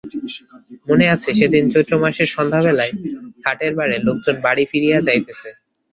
মনে আছে, সেদিন চৈত্রমাসের সন্ধ্যাবেলায় হাটের বারে লোকজন বাড়ি ফিরিয়া যাইতেছে।